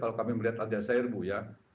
kalau kami melihat aljazeera bu ya